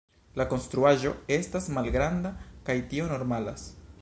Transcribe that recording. La konstruaĵo estas malgranda, kaj tio normalas.